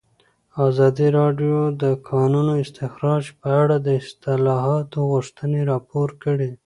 ازادي راډیو د د کانونو استخراج په اړه د اصلاحاتو غوښتنې راپور کړې.